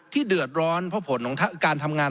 ที่เดือดร้อนเพราะผลการทำงาน